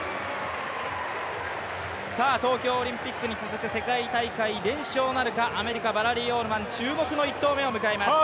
東京オリンピックに続く世界大会連勝なるかアメリカ、バラリー・オールマン注目の１投目です。